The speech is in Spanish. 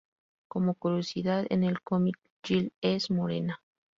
Como curiosidad, en el cómic, Jill es morena.